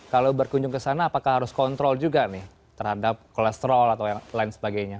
kalau berkunjung ke sana apakah harus kontrol juga nih terhadap kolesterol atau lain sebagainya